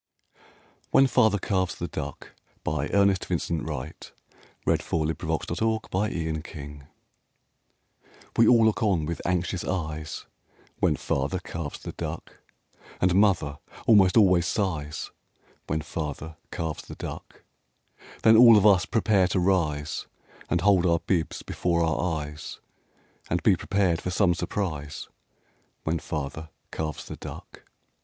4When Father Carves the Duck1891Ernest Vincent Wright We all look on with anxious eyes When Father carves the duck And mother almost always sighs When Father carves the duck Then all of us prepare to rise And hold our bibs before our eyes And be prepared for some surprise When Father carves the duck.